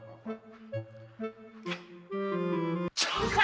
ah sudah ici ya